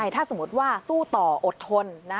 ถ้าสมมุติว่าสู้ต่ออดทน